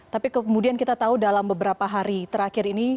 tapi kemudian kita tahu dalam beberapa hari terakhir ini